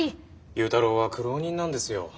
勇太郎は苦労人なんですよ。